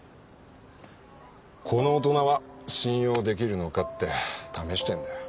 この大人は信用できるのかって試してんだよ。